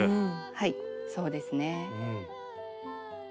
はいそうですね。